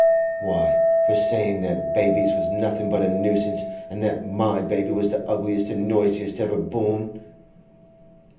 Why, for saying that babies was nothing but a nuisance, and that my baby was the ugliest and noisiest ever born!